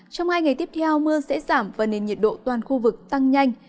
trong hai ngày tiếp theo mưa sẽ giảm và nền nhiệt độ toàn khu vực tăng nhanh